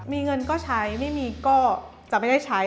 มีเงินก็ใช้ไม่มีก็จะไม่ได้ใช้